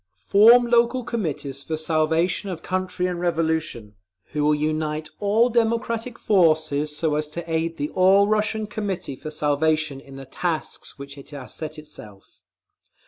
Form local Committees for Salvation of Country and Revolution, who will unite all democratic forces, so as to aid the All Russian Committee for Salvation in the tasks which it has set itself….